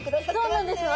そうなんですよ。